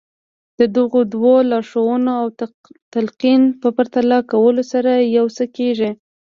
د دغو دوو لارښوونو او تلقين په پرتله کولو سره يو څه کېږي.